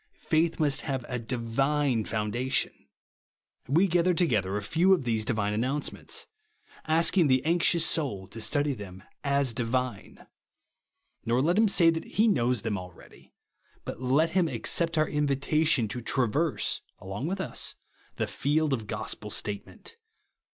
Faith must have a divine foundation. We feather together a few of these divine announcements ; asking the anxious soul to study them as divine. Nor let him say that he knows them already ; but let him accept our invitation, to traverse, along with us, the field of gospel statement.